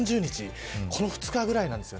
この２日ぐらいです。